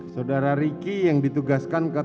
saudara ricky yang ditugaskan ke